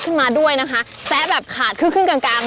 ขึ้นมาด้วยนะคะแซะแบบขาดคลื่นทำกลาง